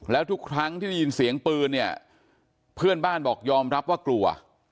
แล้วทุกครั้งที่ได้ยินเสียงปืนเนี่ยเพื่อนบ้านบอกยอมรับว่ากลัว